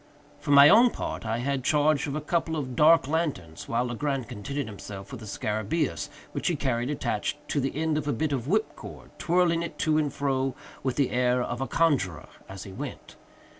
For my own part, I had charge of a couple of dark lanterns, while Legrand contented himself with the scarabæus, which he carried attached to the end of a bit of whip cord; twirling it to and fro, with the air of a conjuror, as he went.